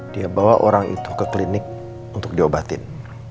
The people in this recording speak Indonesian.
dia bawa orang itu ke klinik untuk diobatin